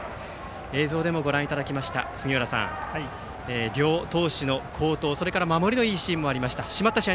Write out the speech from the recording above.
映像でもご覧いただきました杉浦さん両投手の好投それから守りのいいシーンもありました。